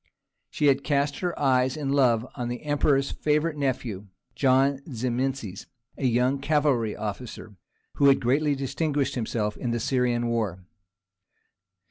She had cast her eyes in love on the Emperor's favourite nephew, John Zimisces, a young cavalry officer, who had greatly distinguished himself in the Syrian war.